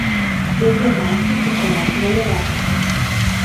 Яе маці пачала хвалявацца.